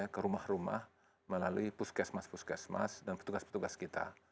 ke rumah rumah melalui puskesmas puskesmas dan petugas petugas kita